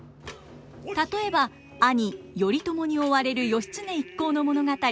例えば兄頼朝に追われる義経一行の物語